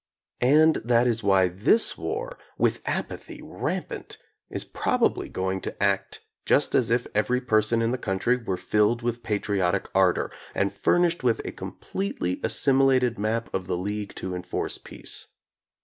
And that is why this war, with apathy rampant, is probably going to act just as if every person in the country were filled with pa triotic ardor, and furnished with a completely as similated map of the League to Enforce Peace.